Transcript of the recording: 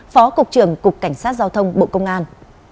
phó cục trưởng cục cảnh sát giao thông bộ công an